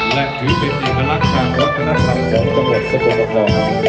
และถือเป็นอินักภาพวัฒนธรรมสำหรับสะกดกับเรา